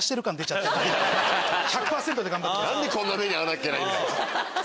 何でこんな目に遭わなきゃいけないんだよ！